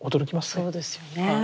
そうですよね。